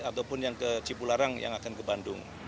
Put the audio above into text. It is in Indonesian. ataupun yang ke cipularang yang akan ke bandung